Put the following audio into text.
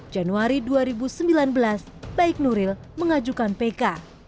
januari dua ribu sembilan belas baik nuril mengajukan pk